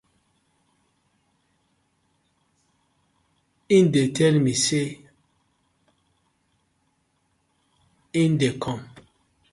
Him dey tey mi say im dey kom.